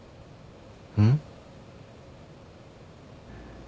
うん？